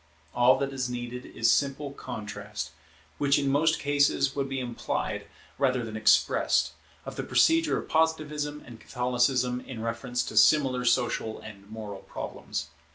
All that is needed is simple contrast, which in most cases would be implied rather than expressed, of the procedure of Positivism and Catholicism in reference to similar social and moral problems.